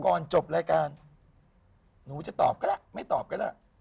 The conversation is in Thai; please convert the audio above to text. ก่อนจบรายการหนูจะตอบก็ได้ไม่ตอบก็ได้